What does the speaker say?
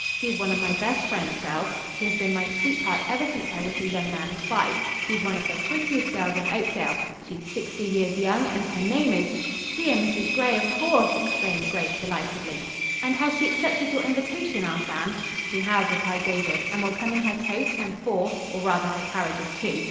"She is one of my best friends, girls. She has been my sweetheart ever since I was a young man of five. She's one of the prettiest girls in Oakdale, she's sixty years young, and her name is " "Dear Mrs. Gray, of course!" exclaimed Grace delightedly. "And has she accepted your invitation?" asked Anne. "She has," replied David, "and will come in her coach and four, or rather her carriage and two.